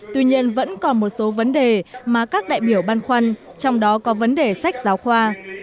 tuy nhiên vẫn còn một số vấn đề mà các đại biểu băn khoăn trong đó có vấn đề sách giáo khoa